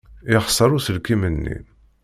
Yexṣer uselkim-nni.